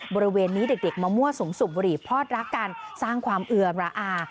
บริเวณนี้เด็กมามั่วสุมสูบบุหรี่พอดรักกันสร้างความเอือมระอา